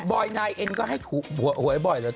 อยนายเอ็นก็ให้ถูกหวยบ่อยเลย